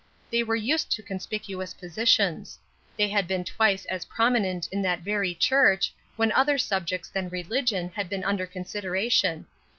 They were used to conspicuous positions; they had been twice as prominent in that very church when other subjects than religion had been under consideration.